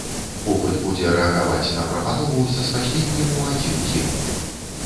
Попыт будзе рэагаваць на прапанову са спазненнем у адзін дзень.